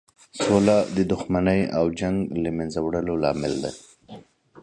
سوله د دښمنۍ او جنګ له مینځه وړلو لامل دی.